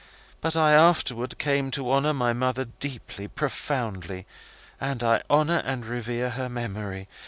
But I afterwards came to honour my mother deeply, profoundly. And I honour and revere her memory.